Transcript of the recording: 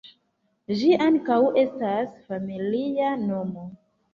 Ĝi ankaŭ estas familia nomo.